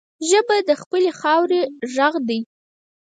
ژبه د خپلې خاورې غږ دی